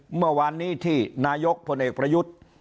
เมื่อวานนี้ที่นายกพลเอกประยุทธ์